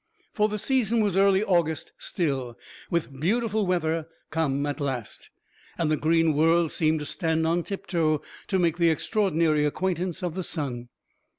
For the season was early August still, with beautiful weather come at last; and the green world seemed to stand on tiptoe to make the extraordinary acquaintance of the sun.